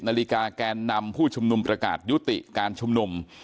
นาฬิกาแกนนำผู้ชุมนุมประกาศยุติการชุมนุม